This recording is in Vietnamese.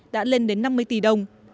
đã lên đến năm mươi tỷ đồng